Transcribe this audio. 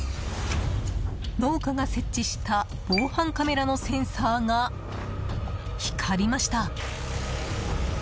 農家が設置した防犯カメラのセンサーが光りました。